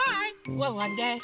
ワンワンです！